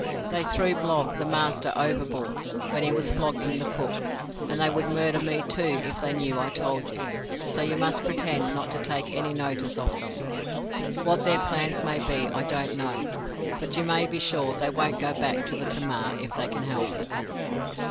They threw Blogg, the master, overboard, when he was flogging the cook, and they would murder me, too, if they knew I told you; so you must pretend not to take any notice of them. What their plans may be, I don't know; but you may be sure they won't go back to the Tamar, if they can help it."